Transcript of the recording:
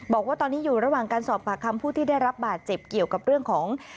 บอกว่าตอนนี้อยู่ระหว่างการสอบปากคำผู้ที่ได้รับบาดเจ็บเกี่ยวกับเรื่องของ